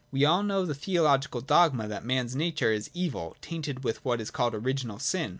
We all know the theological dogma that man's nature is evil, tainted with what is called Original Sin.